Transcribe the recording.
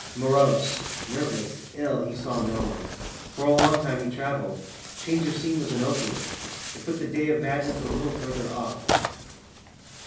Morose, nervous, ill, he saw no one. For a long time he travelled. Change of scene was an opiate. It put the day of madness a little further off.